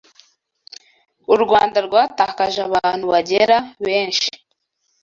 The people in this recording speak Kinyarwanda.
u Rwanda rwatakaje abantu bagera benshi